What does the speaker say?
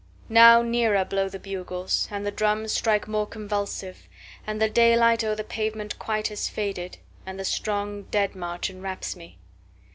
6Now nearer blow the bugles, And the drums strike more convulsive; And the day light o'er the pavement quite has faded, And the strong dead march enwraps me.